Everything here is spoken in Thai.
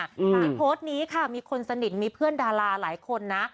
ที่โพสต์นี้ค่ะมีคนสนิทมีเพื่อนดาราหลายคนนะ